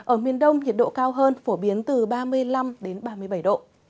ở miền đông nhiệt độ cao hơn phổ biến từ ba mươi năm đến ba mươi bảy độ